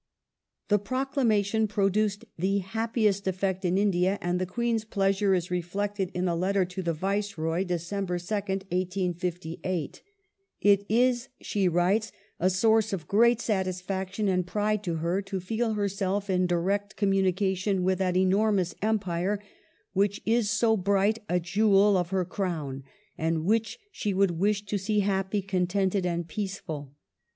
The proclamation produced the happiest effect in India, and the Queen's pleasure is reflected in a letter to the Viceroy (Dec. 2nd, 1858). " It is," she writes, " a source of great satisfaction and pride to her to feel herself in direct communication with that enormous Empire which is so bright a jewel of her Crown, and which she would wish to see happy, contented, and peaceful.